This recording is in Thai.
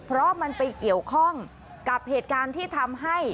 เพราะมันไปเกี่ยวข้องกับเหตุการณ์ที่ทำให้